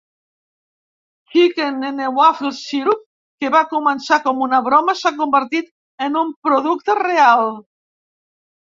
Chicken 'N Waffles Syrup, que va començar com una broma, s'ha convertit en un producte real.